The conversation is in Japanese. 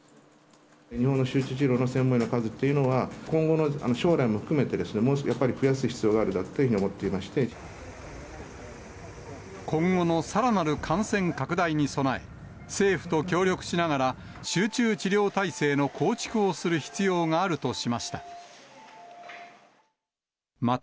日本の集中治療の専門医の数というのが、今後の将来も含めてですね、やっぱり増やす必要があ今後のさらなる感染拡大に備え、政府と協力しながら集中治療体制の構築をする必要があるとしました。